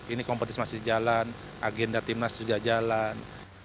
ini kompetis masih jalan agenda tim nas juga jalan